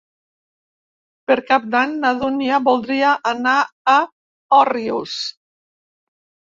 Per Cap d'Any na Dúnia voldria anar a Òrrius.